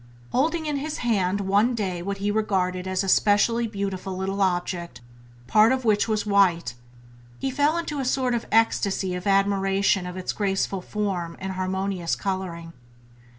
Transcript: Holding in his hand one day what he regarded as specially beautiful little object, part of which was white, he fell into a sort of ecstasy of admiration of its graceful form and harmonious colouring.